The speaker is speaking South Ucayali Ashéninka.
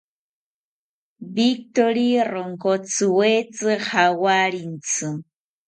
Victori ronkotziwetzi jawarintzi